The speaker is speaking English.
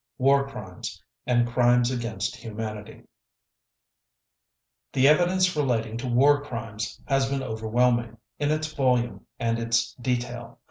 War Crimes and Crimes against Humanity The evidence relating to War Crimes has been overwhelming, in its volume and its detail.